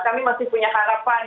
kami masih punya harapan